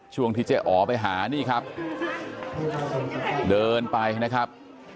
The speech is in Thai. ช่วงที่เจ๊อ๋อไปหานี่ครับเดินไปนะครับ